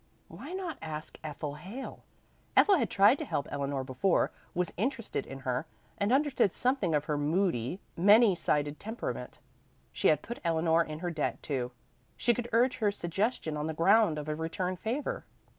Why not ask Ethel Hale? Ethel had tried to help Eleanor before, was interested in her, and understood something of her moody, many sided temperament. She had put Eleanor in her debt too; she could urge her suggestion on the ground of a return favor.